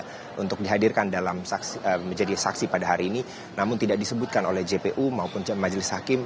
tidak ada informasi lebih detail kenapa dari informasi yang dihadirkan dalam menjadi saksi pada hari ini namun tidak disebutkan oleh jpu maupun majelis hakim